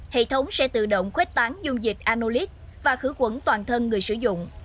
hệ thống sẽ tự động khuết tán dung dịch anulit và khử khuẩn toàn thân người sử dụng